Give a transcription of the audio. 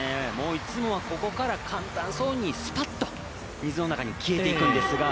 いつもはここから簡単そうにスパッと水の中に消えていくんですが。